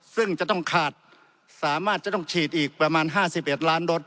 ซึ่งจะต้องขาดสามารถจะต้องฉีดอีกประมาณ๕๑ล้านโดส